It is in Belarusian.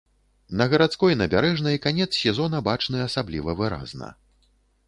На гарадской набярэжнай канец сезона бачны асабліва выразна.